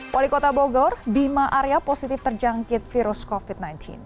wali kota bogor bima arya positif terjangkit virus covid sembilan belas